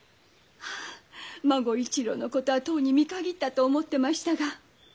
孫一郎のことはとうに見限ったと思ってましたが。